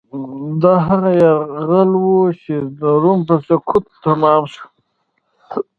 دا هغه یرغل و چې د روم په سقوط تمام شو.